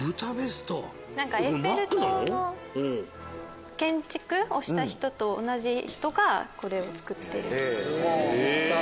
エッフェル塔の建築をした人と同じ人がこれを造ってる。